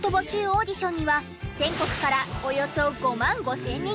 オーディションには全国からおよそ５万５０００人が応募。